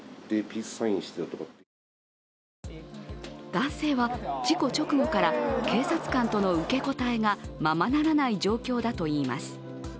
男性は事故直後から警察官との受け答えがままならない状況だといいます。